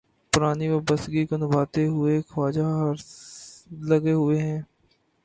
پرانی وابستگی کو نبھاتے ہوئے خواجہ حارث لگے ہوئے ہیں۔